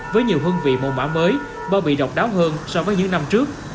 với nhiều hương vị mẫu mã mới bao bì độc đáo hơn so với những năm trước